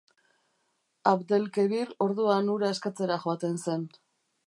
Abdelkebir orduan hura askatzera joaten zen.